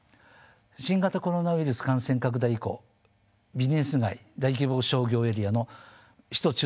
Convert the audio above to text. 新型コロナウイルス感染拡大以降ビジネス街大規模商業エリアの首都中心部では人口の減少。